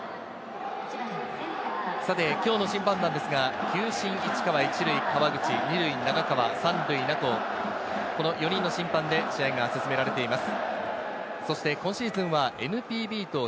さて今日の審判団ですが、球審・市川、１塁・川口、２塁・長川、３塁・名幸、この４人の審判で試合が進められています。